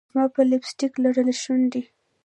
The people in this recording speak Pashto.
زما په لپ سټک لړلي شونډان